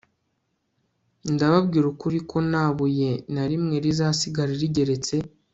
Ndababwira ukuri ko na buye nta rimwe rizasigara rigeretse